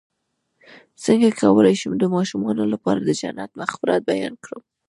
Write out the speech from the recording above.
څنګه کولی شم د ماشومانو لپاره د جنت د مغفرت بیان کړم